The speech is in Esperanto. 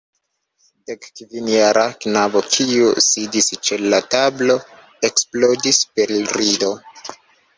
Dekkvinjara knabo, kiu sidis ĉe la tablo, eksplodis per rido.